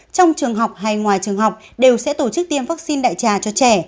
trong trường học hay ngoài trường học đều sẽ tổ chức tiêm vaccine đại trà cho trẻ